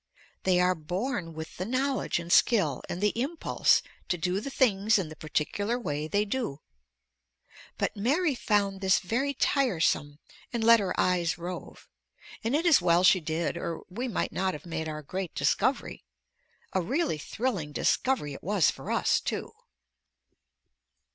They are born with the knowledge and skill and the impulse to do the things in the particular way they do. But Mary found this very tiresome and let her eyes rove, and it is well she did or we might not have made our great discovery: a really thrilling discovery it was for us, too.